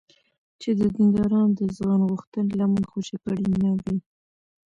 چې دیندارانو د ځانغوښتنې لمن خوشې کړې نه وي.